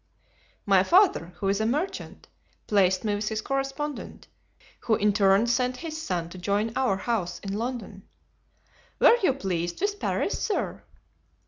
"My father, who is a merchant, placed me with his correspondent, who in turn sent his son to join our house in London." "Were you pleased with Paris, sir?"